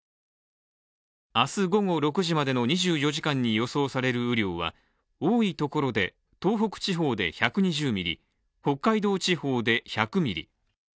明日午後６時までの２４時間に予想される雨量は多いところで東北地方で１２０ミリ、北海道地方で１００ミリ。